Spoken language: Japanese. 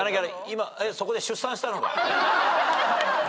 今そこで出産したのか？